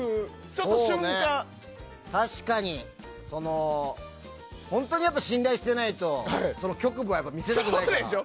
そうね、確かに本当に信頼してないと局部は見せたくないから。